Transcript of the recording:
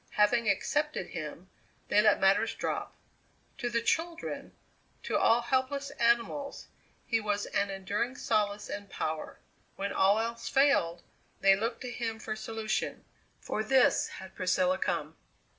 Having accepted him, they let matters drop. To the children, to all helpless animals, he was an enduring solace and power. When all else failed they looked to him for solution. For this had Priscilla come.